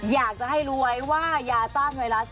อยากจะให้รู้ไว้ว่ายาต้านไวรัส